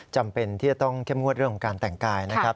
จำเป็นที่จะต้องเข้มงวดเรื่องของการแต่งกายนะครับ